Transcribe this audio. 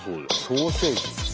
ソーセージ。